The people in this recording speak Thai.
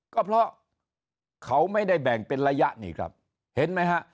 ก็เพราะเขาไม่ได้แบ่งเป็นระยะนี่ครับเห็นไหมฮะ